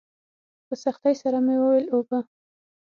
په سختۍ سره مې وويل اوبه.